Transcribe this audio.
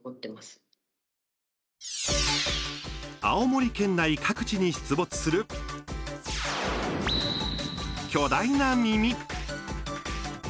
青森県内各地に出没する巨大な耳。